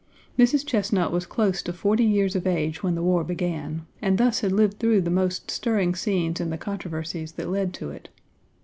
Mrs. Chesnut was close to forty years of age when the war began, and thus had lived through the most stirring scenes in the controversies that led to it.